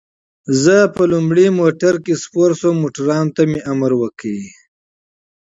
زه په لومړي موټر کې سپور شوم، موټروان ته مې امر وکړ.